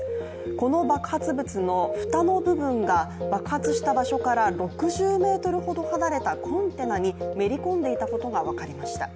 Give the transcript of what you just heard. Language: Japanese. この爆発物の蓋の部分が爆発した場所から６０ｍほど離れたコンテナにめり込んでいたことが分かりました。